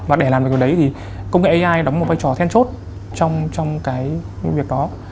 và để làm được điều đấy thì công nghệ ai đóng một vai trò then chốt trong cái việc đó